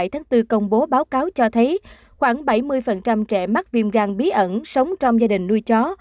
tháng bốn công bố báo cáo cho thấy khoảng bảy mươi trẻ mắc viêm gan bí ẩn sống trong gia đình nuôi chó